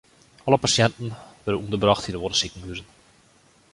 Alle pasjinten wurde ûnderbrocht yn oare sikehuzen.